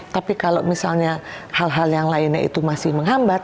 tapi kalau misalnya hal hal yang lainnya itu masih menghambat